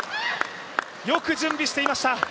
よく準備していました。